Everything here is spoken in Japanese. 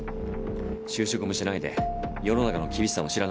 就職もしないで世の中の厳しさも知らないくせに。